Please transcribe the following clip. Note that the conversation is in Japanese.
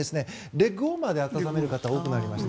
レッグウォーマーで温める方多くなりました。